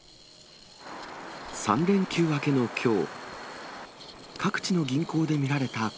３連休明けのきょう。